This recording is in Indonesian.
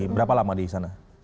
berapa lama di sana